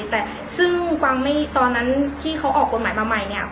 แต่ซึ่งความไม่ตอนนั้นที่เขาออกกฎหมายมาใหม่เนี่ย